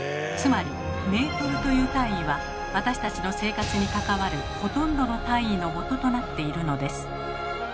つまり「ｍ」という単位は私たちの生活に関わるほとんどの単位のもととなっているのです。